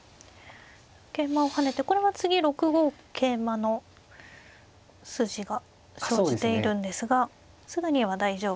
桂馬を跳ねてこれは次６五桂馬の筋が生じているんですがすぐには大丈夫なんですか。